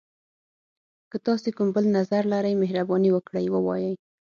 که تاسي کوم بل نظر لری، مهرباني وکړئ ووایئ.